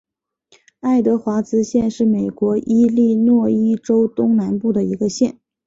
爱德华兹县是美国伊利诺伊州东南部的一个县。